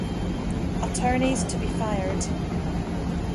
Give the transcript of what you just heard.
Attorneys to be fired.